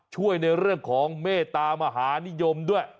ในเรื่องของเมตตามหานิยมด้วย